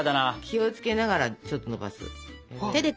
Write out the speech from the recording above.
気を付けながらちょっとのばす。